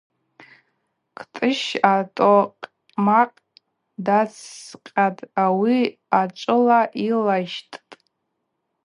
Кӏтӏыщ атокъмакъ дацӏкъьатӏ, ауи ачӏвыла йылащщтӏ.